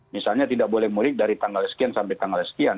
misalnya tidak boleh mudik dari tanggal sekian sampai tanggal sekian